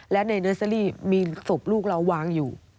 และในเนอร์เซอรี่มีศพลูกเราวางอยู่